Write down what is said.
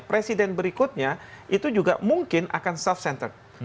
presiden berikutnya itu juga mungkin akan self center